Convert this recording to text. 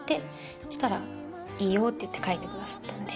そしたらいいよって書いてくださった。